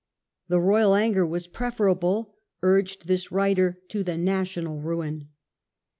The royal anger was preferable, urged this writer, to the national ruin.